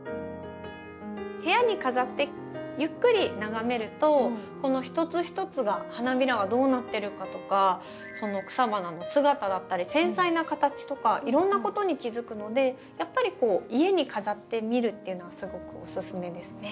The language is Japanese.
部屋に飾ってゆっくり眺めるとこの一つ一つが花びらがどうなってるかとかその草花の姿だったり繊細な形とかいろんなことに気付くのでやっぱり家に飾ってみるっていうのはすごくおすすめですね。